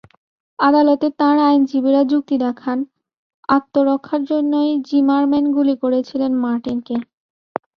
আদালতে তাঁর আইনজীবীরা যুক্তি দেখান, আত্মরক্ষার জন্যই জিমারম্যান গুলি করেছিলেন মার্টিনকে।